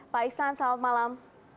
pak ihsan selamat malam